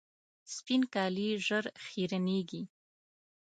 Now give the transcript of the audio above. سپین کالي ژر خیرنېږي.